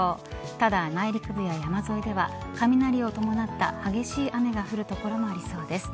ただ、内陸部や山沿いでは雷を伴った激しい雨が降る所もありそうです。